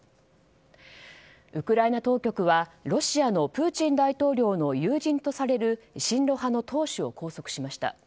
ウクライナ当局はロシアのプーチン大統領の友人とされる親露派の党首を拘束しました。